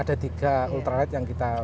ada tiga ultrad yang kita